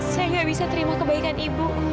saya gak bisa terima kebaikan ibu